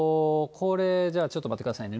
これじゃあ、ちょっと待ってくださいね。